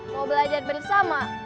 mau belajar bersama